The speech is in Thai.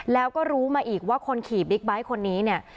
แล้วก็รู้มาอีกว่าคนขี่บิ๊กไบท์คนนี้เนี่ย